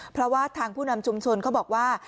เพราะว่าทางผู้นำชุมชนเขาบอกว่า